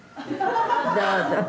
「どうぞ」